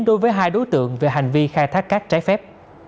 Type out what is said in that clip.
đối với hai đối tượng về hành vi khai thác cát trái phép